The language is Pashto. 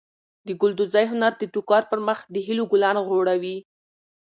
د ګلدوزۍ هنر د ټوکر پر مخ د هیلو ګلان غوړوي.